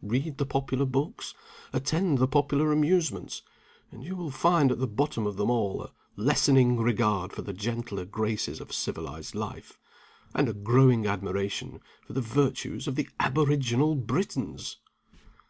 Read the popular books attend the popular amusements; and you will find at the bottom of them all a lessening regard for the gentler graces of civilized life, and a growing admiration for the virtues of the aboriginal Britons!"